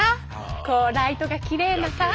こうライトがきれいなさ